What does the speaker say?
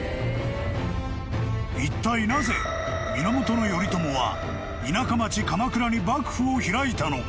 ［いったいなぜ源頼朝は田舎町鎌倉に幕府を開いたのか？］